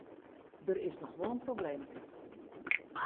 Der is noch wol in probleemke.